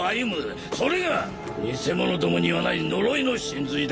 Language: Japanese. それが偽物どもにはない呪いの神髄だ。